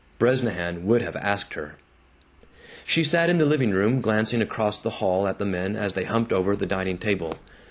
Bresnahan would have asked her. She sat in the living room, glancing across the hall at the men as they humped over the dining table.